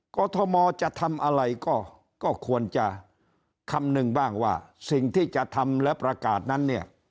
กรทมจะทำอะไรก็ควรจะคำนึงบ้างว่าสิ่งที่จะทำและประกาศนั้นเนี่ย